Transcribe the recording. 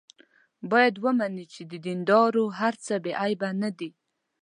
باید ومني چې د دیندارو هر څه بې عیبه نه دي.